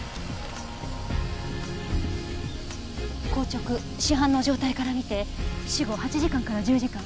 硬直死斑の状態から見て死後８時間から１０時間。